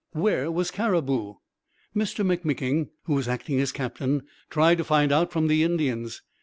Where was Cariboo? Mr M'Micking, who was acting as captain, tried to find out from the Indians.